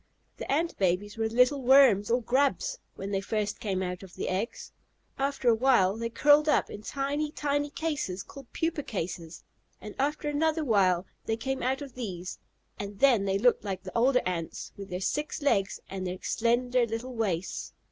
The Ant babies were little worms or grubs when they first came out of the eggs; after a while they curled up in tiny, tiny cases, called pupa cases, and after another while they came out of these, and then they looked like the older Ants, with their six legs, and their slender little waists.